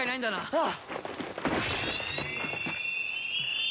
ああ！